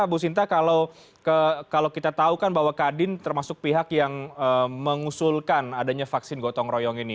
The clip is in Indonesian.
bu sinta kalau kita tahu kan bahwa kadin termasuk pihak yang mengusulkan adanya vaksin gotong royong ini